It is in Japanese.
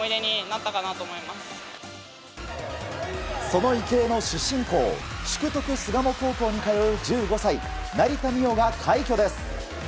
その池江の出身校淑徳巣鴨高校に通う１５歳、成田実生が快挙です。